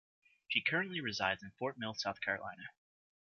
She currently resides in Fort Mill, South Carolina.